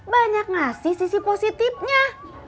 banyak ngasih sisi positifnya